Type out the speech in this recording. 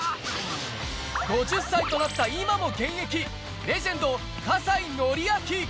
５０歳となった今も現役、レジェンド、葛西紀明。